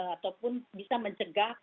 ataupun bisa mencegah penyakit